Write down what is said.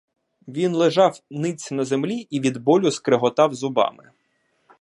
Він лежав ниць на землі, і від болю скреготав зубами.